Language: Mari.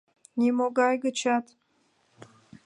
Нимогай гычат!